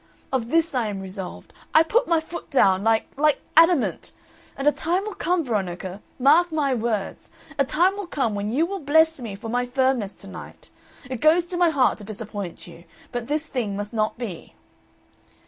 On this I am resolved. I put my foot down like like adamant. And a time will come, Veronica, mark my words, a time will come when you will bless me for my firmness to night. It goes to my heart to disappoint you, but this thing must not be."